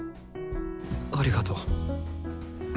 ありがとう。